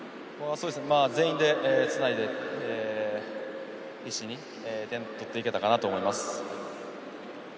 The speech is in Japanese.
全員でつないで、必死に点取っていけたかなと思います。